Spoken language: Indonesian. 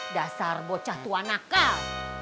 dasar bocah tua nakal